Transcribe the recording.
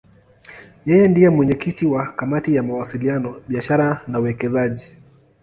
Yeye ndiye mwenyekiti wa Kamati ya Mawasiliano, Biashara na Uwekezaji.